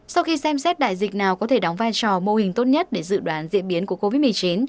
sau khi xem xét đại dịch nào có thể đóng vai trò mô hình tốt nhất để dự đoán diễn biến của covid một mươi chín